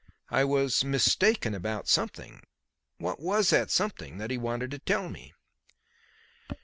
I was "mistaken" about something. What was that something that he wanted to tell me?